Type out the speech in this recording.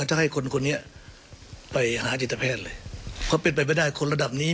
ถ้าให้คนคนนี้ไปหาจิตแพทย์เลยเพราะเป็นไปไม่ได้คนระดับนี้